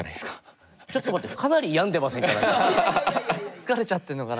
疲れちゃってるのかな。